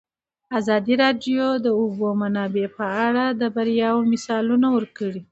ازادي راډیو د د اوبو منابع په اړه د بریاوو مثالونه ورکړي.